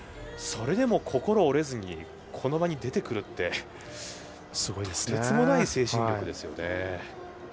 それでも心折れずにこの場に出てくるってとてつもない精神力ですよね。